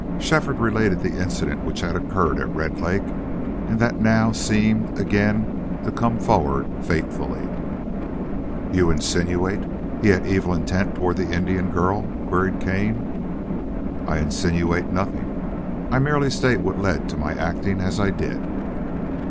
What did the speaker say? Shefford related the incident which had occurred at Red Lake and that now seemed again to come forward fatefully. "You insinuate he had evil intent toward the Indian girl?" queried Kane. "I insinuate nothing. I merely state what led to my acting as I did."